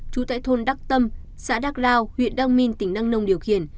trú tại thôn đắc tâm xã đắc lao huyện đăng minh tỉnh đăng nông điều khiển